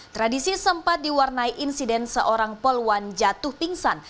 tradisi sempat diwarnai insiden seorang poluan jatuh pingsan